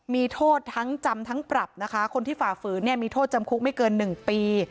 มีโทษทั้งจำทั้งปรับนะคะคนที่ฝ่าฝืนเนี่ยมีโทษจำคุกไม่เกิน๑ปี